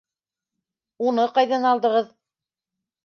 Уны ҡайҙан алдығыҙ?